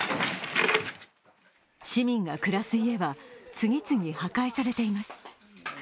市民が暮らす家は、次々、破壊されています。